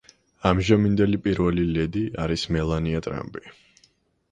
ამჟამინდელი პირველი ლედი არის მელანია ტრამპი.